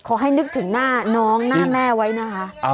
ขอให้นึกถึงหน้าน้องหน้าแม่ไว้นะคะ